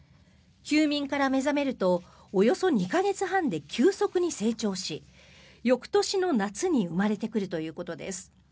休眠から目覚めるとおよそ２か月半で急速に成長し翌年の夏に生まれてくるということです。